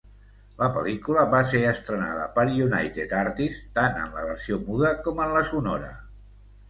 La pel·lícula va ser estrenada per United Artists tant en la versió muda con en la sonora.